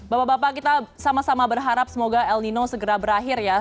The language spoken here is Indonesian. bapak bapak kita sama sama berharap semoga el nino segera berakhir ya